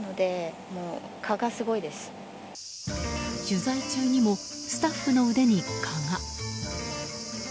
取材中にもスタッフの腕に蚊が。